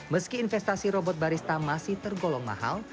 meski investasi robot barista masih tergolong mahal